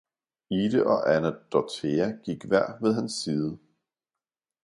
Ide og Anna Dorthea gik hver ved hans Side.